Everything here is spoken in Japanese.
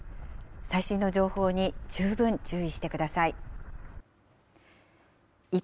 最新の情報に十分注意してください。